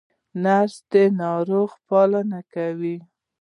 نرس د ناروغ پالنه کوي